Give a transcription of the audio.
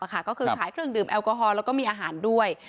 ก็คือขายเครื่องดื่มแอลกอฮอลแล้วก็มีอาหารด้วย